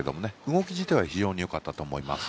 動き自体は非常に良かったと思います。